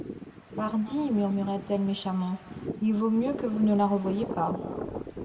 Pardi, murmura-t-elle méchamment, il vaut mieux que vous ne la revoyiez pas.